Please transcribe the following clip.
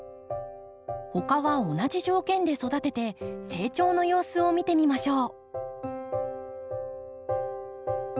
他は同じ条件で育てて成長の様子を見てみましょう。